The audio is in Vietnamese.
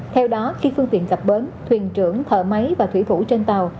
theo đó khi phương tiện gặp bến thuyền trưởng thợ máy và thủy thủ trên tàu